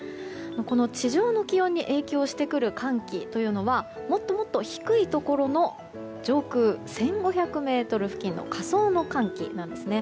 この地上の気温に影響してくる寒気というのはもっともっと低いところの上空１５００ｍ付近の下層の寒気なんですね。